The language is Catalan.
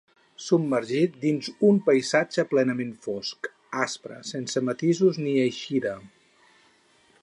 Submergit dins un paisatge plenament fosc, aspre, sense matisos ni eixida.